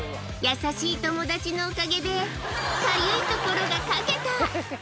優しい友達のおかげで、かゆいところがかけた。